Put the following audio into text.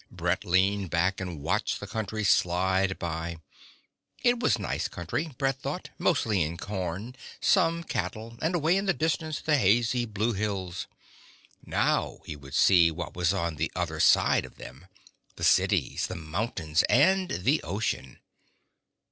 Brett leaned back and watched the country slide by. It was nice country, Brett thought; mostly in corn, some cattle, and away in the distance the hazy blue hills. Now he would see what was on the other side of them: the cities, the mountains, and the ocean.